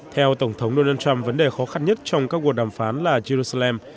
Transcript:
theo tổng thống donald trump vấn đề khó khăn nhất trong các cuộc đàm phán là jerusalem